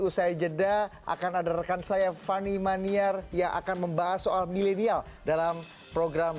usai jeda akan ada rekan saya fani maniar yang akan membahas soal milenial dalam program